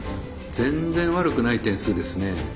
全然悪くない点数ですね。